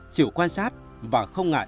chịu quan sát và không ngại